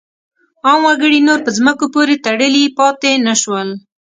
عام وګړي نور په ځمکو پورې تړلي پاتې نه شول.